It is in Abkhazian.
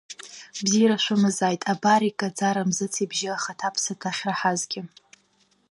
Бзиара шәымазааит, абар иккаӡа Рамзыц ибжьы ахаҭа-ԥсаҭа ахьраҳазгьы.